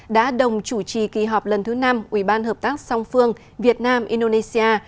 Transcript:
đã đồng chủ trì kỳ họp lần thứ năm ubhf vietnam indonesia